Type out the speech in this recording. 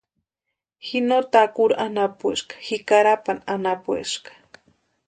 Ji no Takuru anapueska ji Carapani anapueska.